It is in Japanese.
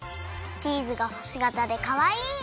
チーズがほしがたでかわいい！